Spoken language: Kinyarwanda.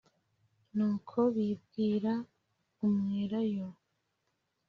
Nuko bibwira umwelayo